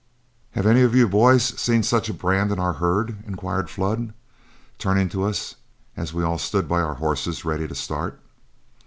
'" "Have any of you boys seen such a brand in our herd?" inquired Flood, turning to us as we all stood by our horses ready to start.